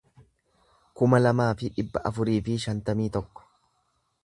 kuma lamaa fi dhibba afurii fi shantamii tokko